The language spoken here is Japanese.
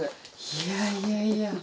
いやいやいや。